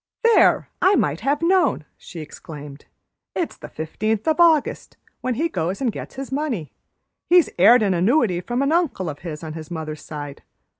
"There! I might have known!" she exclaimed. "It's the 15th of August, when he goes and gets his money. He heired an annuity from an uncle o' his on his mother's side.